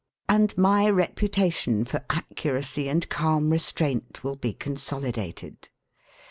And my reputation for accuracy and calm restraint will be consolidated.